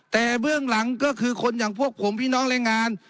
แต่เบื้องหลังก็คือคนอย่างพวกผมพี่น้องแรงงาน